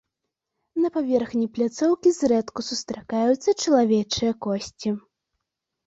На паверхні пляцоўкі зрэдку сустракаюцца чалавечыя косці.